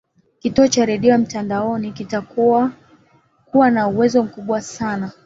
kituo cha redio ya mtandaoni kinatakuwa kuwa na uwezo mkubwa sanas